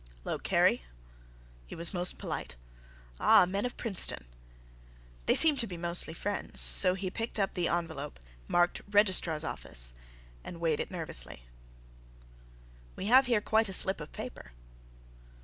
"'Lo, Kerry." He was most polite. "Ah, men of Princeton." They seemed to be mostly friends, so he picked up the envelope marked "Registrar's Office," and weighed it nervously. "We have here quite a slip of paper."